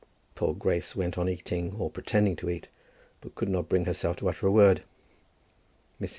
Poor Grace went on eating or pretending to eat, but could not bring herself to utter a word. Mrs.